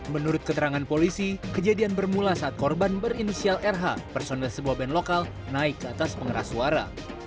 menurut keterangan polisi kejadian bermula saat korban berinisial rh personel sebuah band lokal naik ke atas pengeras suara